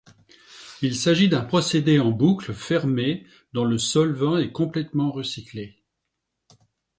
Il s’agit d’un procédé en boucle fermée dont le solvant est complètement recyclé.